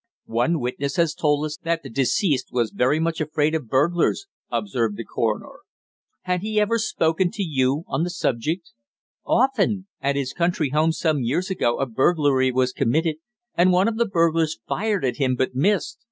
"One witness has told us that the deceased was very much afraid of burglars," observed the coroner. "Had he ever spoken to you on the subject?" "Often. At his country house some years ago a burglary was committed, and one of the burglars fired at him but missed.